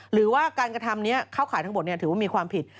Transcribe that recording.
หรือว่าการกระทำนี้เข้าข่ายทั้งหมดถือว่ามีความผิด